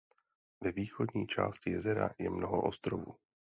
Ve východní části jezera je mnoho ostrovů.